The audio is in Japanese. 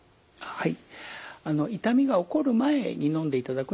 はい。